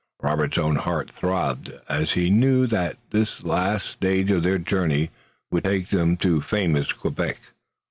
Robert's own heart throbbed as he knew that this last stage of their journey would take them to famous Quebec.